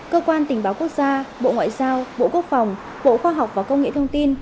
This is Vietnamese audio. cơ quan tình báo quốc gia bộ ngoại giao bộ quốc phòng bộ khoa học và công nghệ thông tin